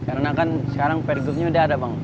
karena kan sekarang per groupnya udah ada bang